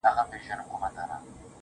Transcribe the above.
کوټي ته درځمه گراني_